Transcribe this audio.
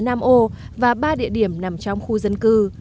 nam ô và ba địa điểm nằm trong khu dân cư